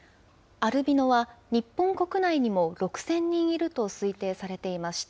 アルビノは日本国内にも６０００人いると推定されています。